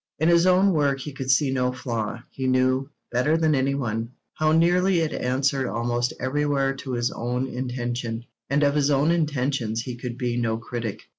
In his own work he could see no flaw; he knew, better than any one, how nearly it answered almost everywhere to his own intention; and of his own intentions he could be no critic.